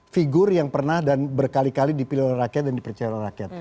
figur yang pernah dan berkali kali dipilih oleh rakyat dan dipercaya oleh rakyat